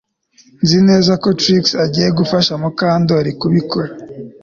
Nzi neza ko Trix agiye gufasha Mukandoli kubikora